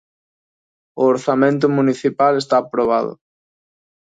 O orzamento municipal está aprobado.